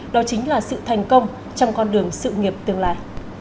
đó chính là sự thành công trong con đường sự nghiệp tương lai